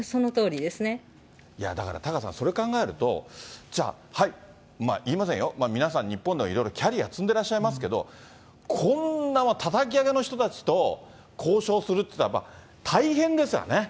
だからタカさん、それ考えると、じゃあ、はい、言いませんよ、皆さん日本でもいろいろキャリア積んでらっしゃいますけど、こんなたたき上げの人たちと交渉するっていったら、大変ですわね。